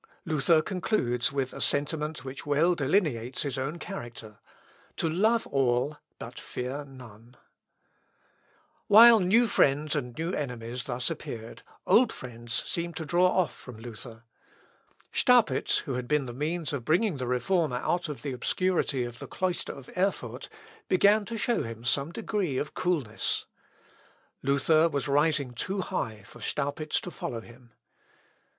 Luther concludes with a sentiment which well delineates his own character, "To love all, but fear none." L. Op. Lat. i, 252. [Sidenote: LUTHER ON THE EPISTLE TO THE GALATIANS.] While new friends and new enemies thus appeared, old friends seemed to draw off from Luther. Staupitz, who had been the means of bringing the Reformer out of the obscurity of the cloister of Erfurt, began to show him some degree of coolness. Luther was rising too high for Staupitz to follow him.